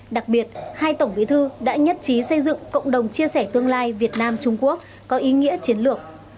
đặc biệt hai tổng bí thư đã nhất trí xây dựng cộng đồng chia sẻ tương lai việt nam trung quốc có ý nghĩa chiến lược